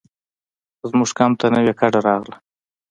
زموږ کمپ ته نوې کډه راغله.